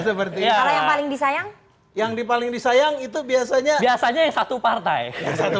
seperti yang paling disayang yang paling disayang itu biasanya biasanya yang satu partai jadi